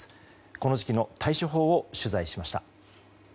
この時期の対処法を取材しました。